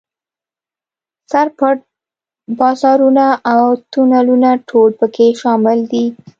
سر پټ بازارونه او تونلونه ټول په کې شامل دي.